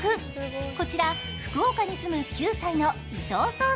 こちら、福岡に住む９歳の伊藤颯亮